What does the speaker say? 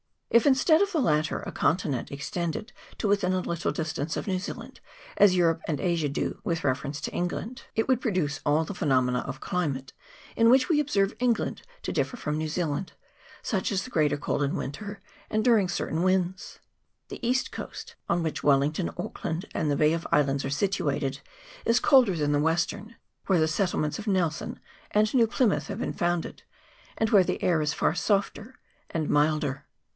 If, instead of the latter, a continent extended to within a little dis tance of New Zealand, as Europe and Asia do with reference to England, it would produce all the phenomena of climate in which we observe England to differ from New Zealand, such as the greater cold in winter and during certain winds. 174 CLIMATE OF [PART I. The east coast, on which Wellington, Auckland, and the Bay of Islands are situated, is colder than the western, where the settlements of Nelson and New Plymouth have been founded, and where the air is far softer and milder.